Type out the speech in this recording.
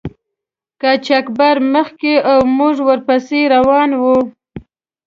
قاچاقبر مخکې او موږ ور پسې روان وو.